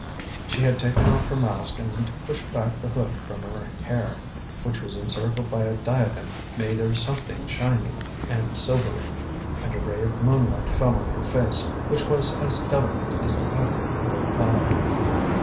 She had taken off her mask and pushed back the hood from her hair, which was encircled by a diadem made of something shining and silvery, and a ray of moonlight fell on her face, which was as delicate as the petal of a flower.